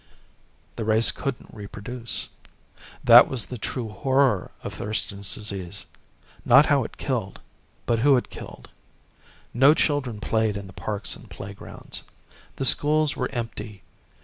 The race couldn't reproduce. That was the true horror of Thurston's Disease not how it killed, but who it killed. No children played in the parks and playgrounds. The schools were empty.